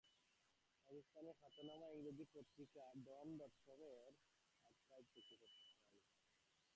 পাকিস্তানের খ্যাতনামা ইংরেজি পত্রিকা ডন ডটকমের আর্কাইভ থেকে এ তথ্য পাওয়া গেছে।